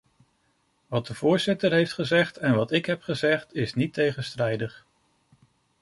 Wat de voorzitter heeft gezegd en wat ik heb gezegd is niet tegenstrijdig.